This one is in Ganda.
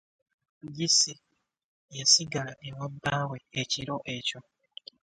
Cissy yasigala ewa bbaawe ekiro ekyo .